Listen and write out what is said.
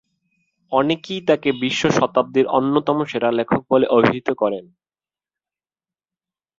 অনেকেই তাকে বিশ্ব শতাব্দীর অন্যতম সেরা লেখক বলে অভিহিত করে থাকেন।